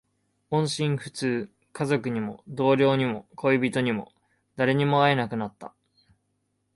音信不通。家族にも、同僚にも、恋人にも、誰にも会えなくなった。